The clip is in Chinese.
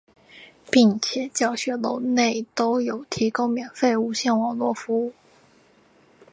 并且教学楼内都有提供免费无线网络服务。